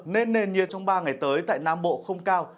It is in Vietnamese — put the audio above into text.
nên nền nhiệt trong ba ngày tới tại nam bộ không cao